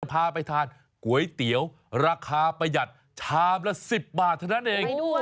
พาไปทานก๋วยเตี๋ยวราคาประหยัดชามละ๑๐บาทเท่านั้นเอง